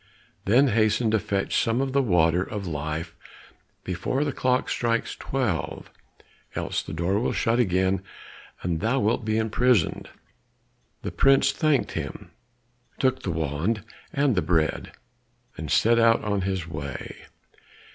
Then hasten to fetch some of the water of life before the clock strikes twelve, else the door will shut again, and thou wilt be imprisoned." The prince thanked him, took the wand and the bread, and set out on his way.